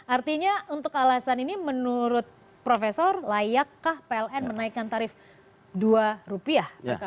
artinya untuk alasan ini menurut profesor layakkah pln menaikkan tarif dua rupiah